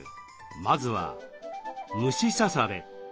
まずは「虫刺され」。